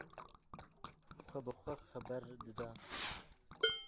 Xwe bi xwe xeber dida.